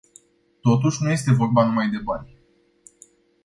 Totuși, nu este vorba numai de bani.